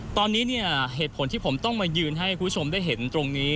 ตอนนี้เนี่ยเหตุผลที่ผมต้องมายืนให้คุณผู้ชมได้เห็นตรงนี้